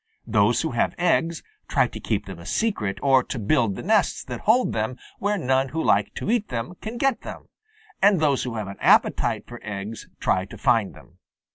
Those who have eggs try to keep them a secret or to build the nests that hold them where none who like to eat them can get them; and those who have an appetite for eggs try to find them.